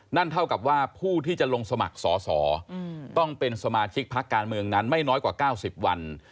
นั่นเท่ากับว่าผู้ที่จะลงสมัครสอสอต้องเป็นสมาชิกพักการเมืองนั้นไม่น้อยกว่า๙๐วัน